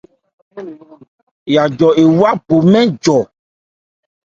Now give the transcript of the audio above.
Yajó éya bo mɛ́n njɔ.